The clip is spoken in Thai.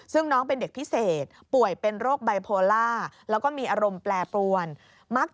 ซึ่งน้องเป็นเด็กพิเศษป่วยเป็นโรคไบโพล่า